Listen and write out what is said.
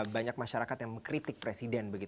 banyak masyarakat yang mengkritik presiden